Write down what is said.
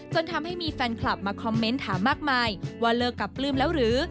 จนทำให้มีแฟนคลับมาคอมเมนต์ถามมากมายว่าเลิกกับปลื้มแล้วหรือ